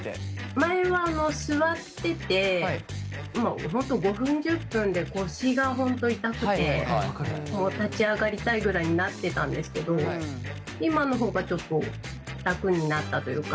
前は座ってて５分１０分で腰が本当痛くて立ち上がりたいぐらいになってたんですけど今のほうがちょっと楽になったというか。